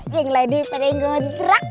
yang lainnya pengen ngontrak